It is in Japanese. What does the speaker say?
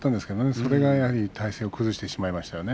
それがやはり体勢を崩してしまいましたね。